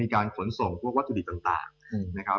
กันบ้าง